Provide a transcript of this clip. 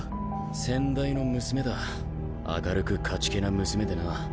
先代の娘だ明るく勝ち気な娘でな。